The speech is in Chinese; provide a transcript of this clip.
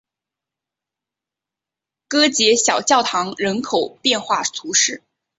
戈捷小教堂人口变化图示